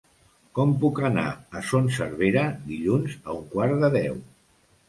Com puc anar a Son Servera dilluns a un quart de deu?